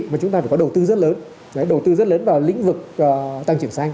mà chúng ta phải có đầu tư rất lớn đầu tư rất lớn vào lĩnh vực tăng trưởng xanh